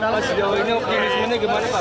pas jauh ini optimismenya gimana pak